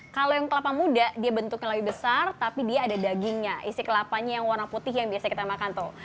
kalau yang kelapa muda dia bentuknya lebih besar tapi dia ada dagingnya isi kelapanya yang warna putih yang biasa kita makan tuh